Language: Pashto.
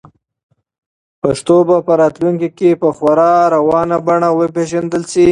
پښتو به په راتلونکي کې په خورا روانه بڼه وپیژندل شي.